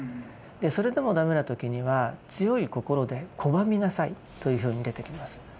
それでも駄目な時には強い心で拒みなさいというふうに出てきます。